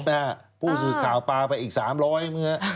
แต่ผู้สื่อข่าวปลาไปอีก๓๐๐มื้อ